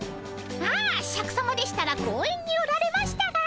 ああシャクさまでしたら公園におられましたが。